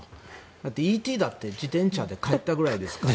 だって「Ｅ．Ｔ．」だって自転車で帰ったくらいですから。